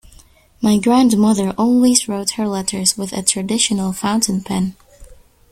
My grandmother always wrote her letters with a traditional fountain pen.